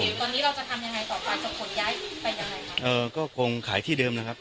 ตอนนี้เราจะทำยังไงต่อกว่าจะขนย้ายขึ้นไปยังไงครับเอ่อก็คงขายที่เดิมนะครับ